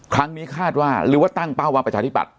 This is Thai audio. ครั้งนี้คาดว่าหรือว่าตั้งเป้าว่าประชาธิบัตย